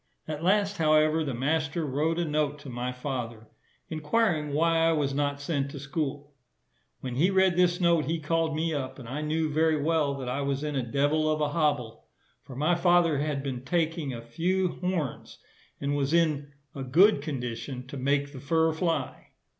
At last, however, the master wrote a note to my father, inquiring why I was not sent to school. When he read this note, he called me up, and I knew very well that I was in a devil of a hobble, for my father had been taking a few horns, and was in a good condition to make the fur fly.